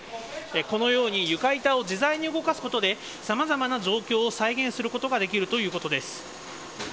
このように、床板を自在に動かすことで、さまざまな状況を再現することができるということです。